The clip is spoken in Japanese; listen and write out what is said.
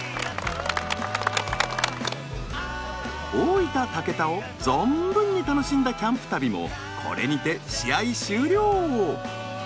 大分・竹田を存分に楽しんだキャンプ旅もこれにて試合終了。